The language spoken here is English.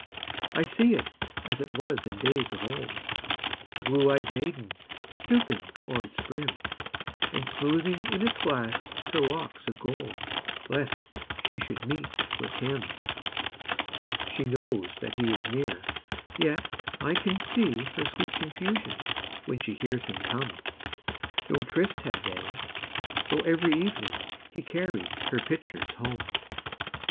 I see it as it was in days of old, The blue ey'd maiden stooping o'er its brim, And smoothing in its glass her locks of gold, Lest she should meet with him. She knows that he is near, yet I can seeHer sweet confusion when she hears him come.No tryst had they, though every evening heCarries her pitchers home.